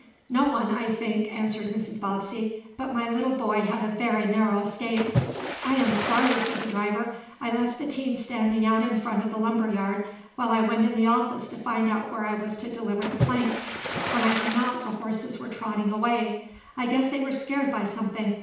"No one, I think," answered Mrs. Bobbsey. "But my little boy had a very narrow escape." "I am sorry," said the driver. "I left the team standing out in front of the lumber yard, while I went in the office to find out where I was to deliver the planks. When I came out the horses were trotting away. I guess they were scared by something.